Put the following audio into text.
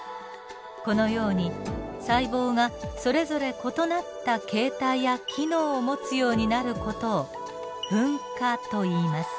このように細胞がそれぞれ異なった形態や機能を持つようになる事を分化といいます。